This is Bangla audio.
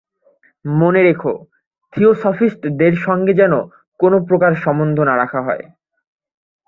মনে রেখো, থিওসফিষ্টদের সঙ্গে যেন কোন প্রকার সম্বন্ধ না রাখা হয়।